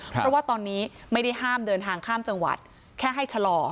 เพราะว่าตอนนี้ไม่ได้ห้ามเดินทางข้ามจังหวัดแค่ให้ชะลอ